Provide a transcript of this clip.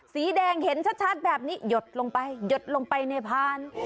สีแดงเห็นชัดแบบนี้หยดลงไปหยดลงไปในพาน